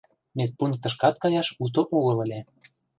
Медпунктышкат каяш уто огыл ыле.